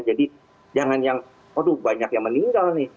jadi jangan yang aduh banyak yang meninggal nih